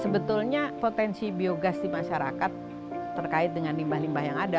sebetulnya potensi biogas di masyarakat terkait dengan limbah limbah yang ada